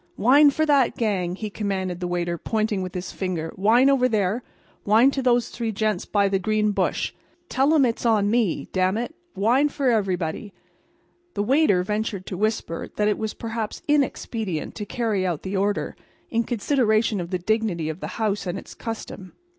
"Wine for that gang!" he commanded the waiter, pointing with his finger. "Wine over there. Wine to those three gents by that green bush. Tell 'em it's on me. D––––n it! Wine for everybody!" The waiter ventured to whisper that it was perhaps inexpedient to carry out the order, in consideration of the dignity of the house and its custom.